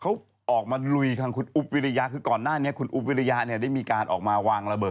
เค้าออกมาลุยทางคุณอุปวิริญาคือนะคะต้องเก